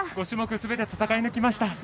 ５種目すべて戦い抜きました。